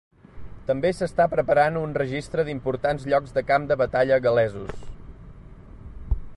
També s'està preparant un registre d'importants llocs de camp de batalla gal·lesos.